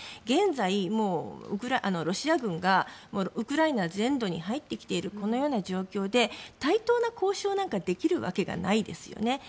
現在、ロシア軍がウクライナ全土に入ってきている状況で対等な交渉なんかできるわけがないですよね。